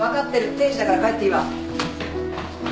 定時だから帰っていいわ。